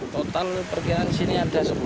total perkiraan di sini ada sepuluh